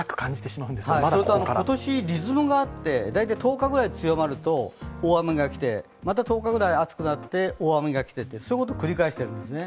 今年、リズムがあって、１０日ぐらい強まると大雨が来てまた１０日ぐらい暑くなって大雨が来てそういうことを繰り返してるんですね。